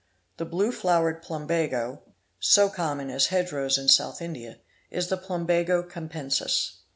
The' blue flowered plumbago, so common as hedge rows in South India, is the Plumbago capensis.